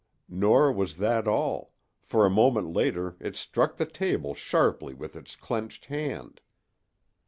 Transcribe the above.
Nor was that all, for a moment later it struck the table sharply with its clenched hand.